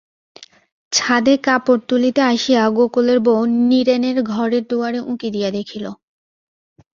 ছাদে কাপড় তুলিতে আসিয়া গোকুলের বউ নীরেনের ঘরের দুয়ারে উঁকি দিয়া দেখিল।